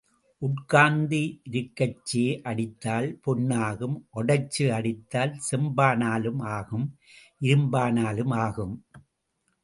உட்கார்ந்து இருக்கச்சே அடித்தால் பொன்னாகும் ஓடச்சே அடித்தால் செம்பானாலும் ஆகும் இரும்பானாலும் ஆகும்.